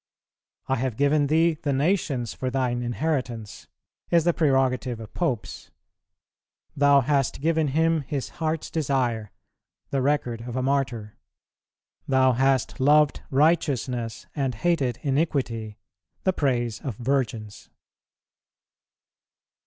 "I have given thee the nations for thine inheritance" is the prerogative of Popes; "Thou hast given him his heart's desire," the record of a martyr; "thou hast loved righteousness and hated iniquity," the praise of Virgins.